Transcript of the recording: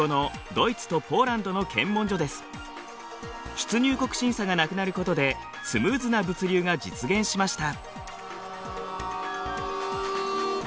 出入国審査がなくなることでスムーズな物流が実現しました。